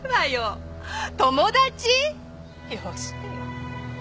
よしてよ